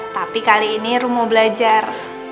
tapi kali ini rum mau belajar